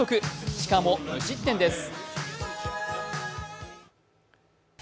しかも無失点です。